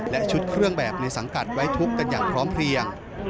และชุดเครื่องแบบในสังกัดไว้ทุกข์กันอย่างพร้อมเพลียง